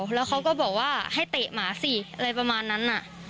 แล้วเขาก็บอกว่าให้เตะหมาสิอะไรประมาณนั้น